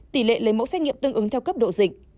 tỷ lệ lấy mẫu xét nghiệm tương ứng theo cấp độ dịch